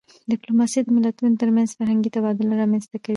ډيپلوماسي د ملتونو ترمنځ فرهنګي تبادله رامنځته کوي.